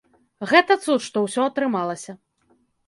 Гэта цуд, што ўсё атрымалася.